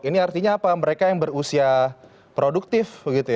ini artinya apa mereka yang berusia produktif